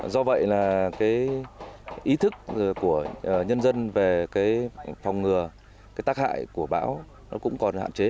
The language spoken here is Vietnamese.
do vậy ý thức của nhân dân về phòng ngừa tác hại của bão cũng còn hạn chế